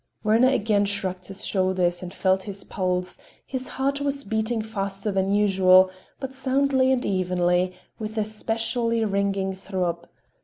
Werner again shrugged his shoulders and felt his pulse,—his heart was beating faster than usual, but soundly and evenly, with a specially ringing throb.